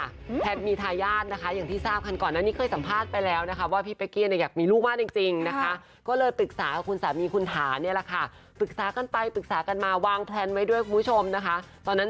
แททมีทายาทนะคะอย่างที่ทราบครั้งก่อนนะ